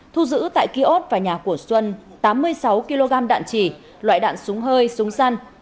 thu giữ tại kiosk và nhà của xuân tám mươi sáu kg đạn chỉ loại đạn súng hơi súng săn